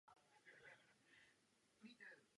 Národní bezpečnost nekončí na hranicích státu.